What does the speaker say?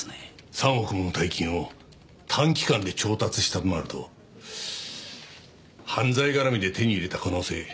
３億もの大金を短期間で調達したとなると犯罪絡みで手に入れた可能性ないとはいえないな。